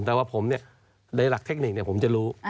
แต่ว่าผมในหลักเทคนิคผมจะรู้